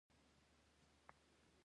د سرسنګ کانونه د کومې ډبرې مرکز دی؟